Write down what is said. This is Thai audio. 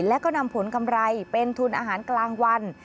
และก็นำผลกำไรเป็นทุนอาหารกลางวัน